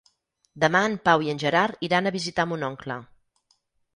Demà en Pau i en Gerard iran a visitar mon oncle.